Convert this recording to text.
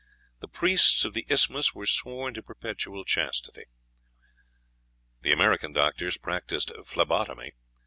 The priests of the Isthmus were sworn to perpetual chastity. The American doctors practised phlebotomy.